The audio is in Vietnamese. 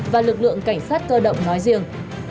và lực lượng cảnh sát cơ động nói riêng